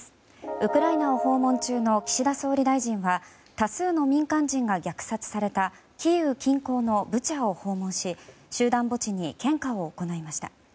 ウクライナを訪問中の岸田総理大臣は多数の民間人が虐殺されたキーウ近郊のブチャを訪問し集団墓地に献花を行いました。